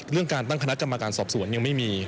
เรื่องการตั้งคณะกรรมการสอบสวนยังไม่มี